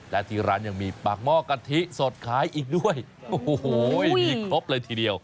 และที่ร้านยังมีปากหม้อกะทิสดขายอีกด้วยโอ้โหมีครบเลยทีเดียว